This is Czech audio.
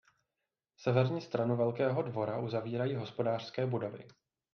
Severní stranu velkého dvora uzavírají hospodářské budovy.